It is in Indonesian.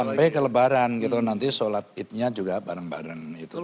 sampai ke lebaran gitu nanti sholat idnya juga bareng bareng